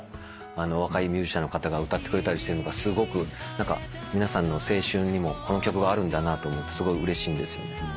若いミュージシャンの方が歌ってくれたりしてるのがすごく何か皆さんの青春にもこの曲はあるんだなと思うとすごいうれしいんですよね。